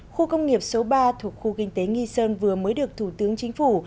khu công nghiệp số ba thuộc khu kinh tế nghi sơn vừa mới được thủ tướng chính phủ